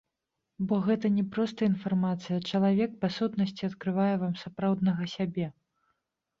Бо гэта не проста інфармацыя, чалавек, па сутнасці, адкрывае вам сапраўднага сябе.